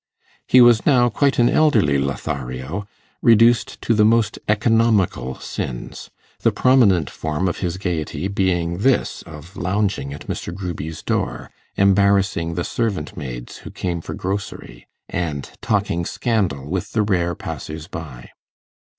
He was now quite an elderly Lothario, reduced to the most economical sins; the prominent form of his gaiety being this of lounging at Mr. Gruby's door, embarrassing the servant maids who came for grocery, and talking scandal with the rare passers by.